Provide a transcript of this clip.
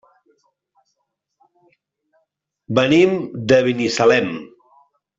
Venim de Binissalem.